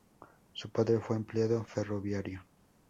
Su padre fue empleado ferroviario.